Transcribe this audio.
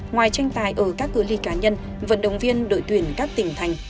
ngoài tranh tài ở các cửa ly cá nhân vận động viên đội tuyển các tỉnh thành